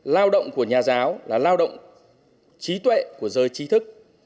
lao động của nhà giáo là lao động trí tuệ của giới trí thức